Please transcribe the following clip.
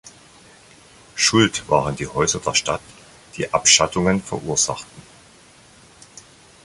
Schuld waren die Häuser der Stadt, die Abschattungen verursachten.